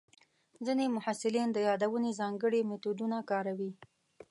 ځینې محصلین د یادونې ځانګړي میتودونه کاروي.